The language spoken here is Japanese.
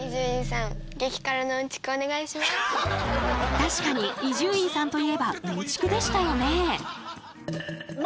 確かに伊集院さんといえばうんちくでしたよね。